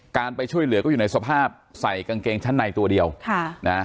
การไปช่วยเหลือก็อยู่ในสภาพใส่กางเกงชั้นในตัวเดียวค่ะนะ